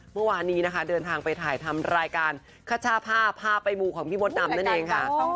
เมื่อวานนี้นะคะเดินทางไปถ่ายทำรายการคชาพาพาไปมูของพี่มดดำนั่นเองค่ะ